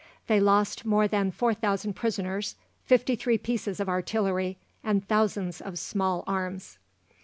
They lost more than 4000 prisoners, fifty three pieces of artillery, and thousands of small arms.